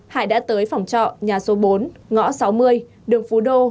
hải đã tới phòng trọ nhà số bốn ngõ sáu mươi đường phú đô